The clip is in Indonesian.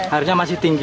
harinya masih tinggi